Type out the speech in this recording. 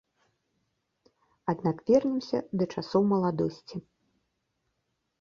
Аднак вернемся да часоў маладосці.